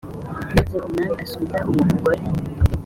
Maze umwami asubiza uwo mugore